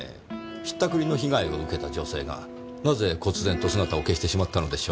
引ったくりの被害を受けた女性がなぜ忽然と姿を消してしまったのでしょう。